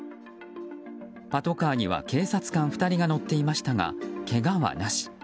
パトカーには警察官２人が乗っていましたが、けがはなし。